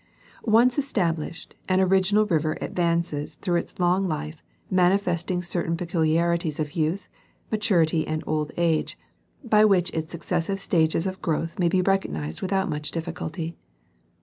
Once established, an original river advances through its long life, manifesting certain peculiarities of j^outh, maturity and old age, by which its successive stages of growth may be recognized without much difficulty.